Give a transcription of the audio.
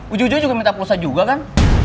ujian juga minta pulsa juga kan